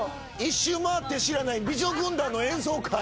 「１周回って知らない美女軍団の演奏会」。